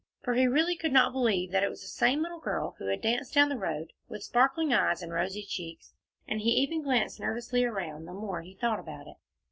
For he really could not believe that it was the same little girl who had danced down the road, with sparkling eyes and rosy cheeks, and he even glanced nervously around, the more he thought about it.